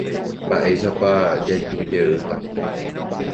Mba'éichapa jajujeýta.